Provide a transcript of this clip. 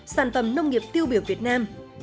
sản phẩm nông nghiệp tiêu biểu việt nam